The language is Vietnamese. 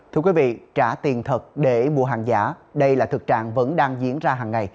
thưa quý vị trả tiền thật để mua hàng giả đây là thực trạng vẫn đang diễn ra hàng ngày